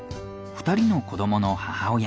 ２人の子どもの母親。